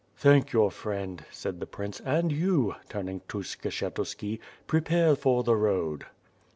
"Thank your friend," said the prince, "and you," turning to Skshetuski, "prepare for the road."